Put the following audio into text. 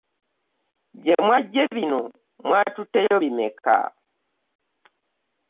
Gye mwaggye bino mwatutteyo bimeka?